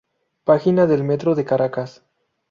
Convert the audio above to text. Página del Metro de Caracas